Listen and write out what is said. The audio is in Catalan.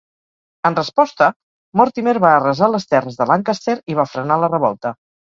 En resposta, Mortimer va arrasar les terres de Lancaster i va frenar la revolta.